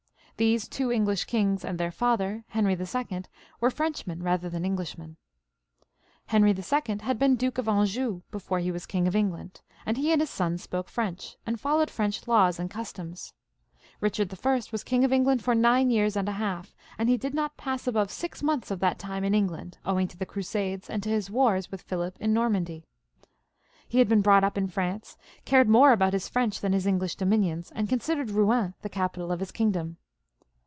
These two English kings and their father, Henry II., were Frenchmen rather than Englishmen. Henry II. had been Duke of Anjou before he was King of England, and he and his sons spoke French, and followed French laws and customs. Eichard I. was King of England for nine years and a half, and he did not pass above six months of that time in England, owing to the Crusaders and to his wars witk Philip in Normandy. He had been brought up in France, cared more about his French than his English dominions, and considered Eouen the capital of his king dom.